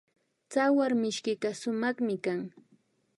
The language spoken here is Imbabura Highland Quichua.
Tsawarmishkika sumakmi kan